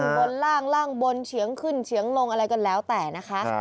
บนล่างบนเฉียงขึ้นเฉียงลงอะไรก็แล้วแต่นะคะ